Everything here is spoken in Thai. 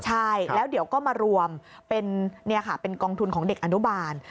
ใช่แล้วเดี๋ยวก็มารวมเป็นกองทุนของเด็กอนุบาล